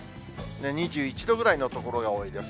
２１度ぐらいの所が多いです。